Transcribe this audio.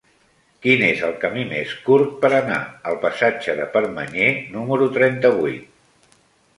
Quin és el camí més curt per anar al passatge de Permanyer número trenta-vuit?